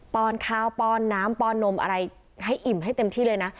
อนข้าวป้อนน้ำปอนนมอะไรให้อิ่มให้เต็มที่เลยนะ